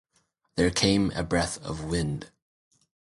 There came a breath of wind.